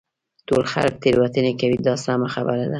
ټول خلک تېروتنې کوي دا سمه خبره ده.